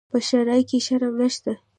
په شرعه کې شرم نشته.